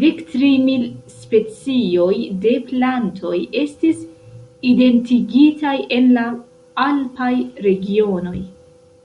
Dektri mil specioj de plantoj estis identigitaj en la alpaj regionoj.